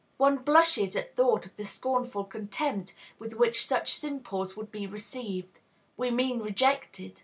One blushes at thought of the scornful contempt with which such simples would be received, we mean rejected!